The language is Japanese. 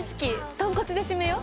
豚骨でしめよう！